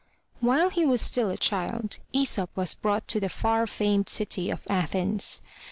While he was still a child, Aesop was brought to the far famed city of Athens.